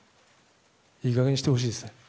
いい加減にしてほしいですね。